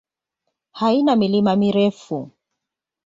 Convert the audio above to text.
Haina milima mirefu.